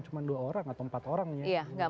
cuma dua orang atau empat orang ya